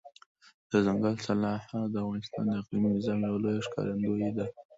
دځنګل حاصلات د افغانستان د اقلیمي نظام یوه لویه ښکارندوی ده.